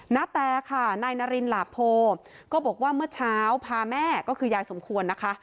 นาแตค่ะนายนารินหลาโพก็บอกว่าเมื่อเช้าพาแม่ก็คือยายสมควรนะคะ